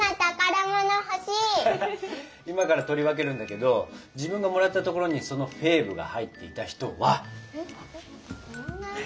今から取り分けるんだけど自分のもらったところにそのフェーブが入っていた人は。